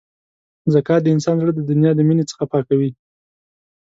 زکات د انسان زړه د دنیا د مینې څخه پاکوي.